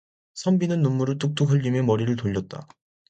선비는 눈물을 뚝뚝 흘리며 머리를 돌렸다.